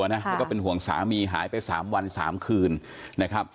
เขาก็เป็นห่วงสามีหายไปสามทุ่มคืน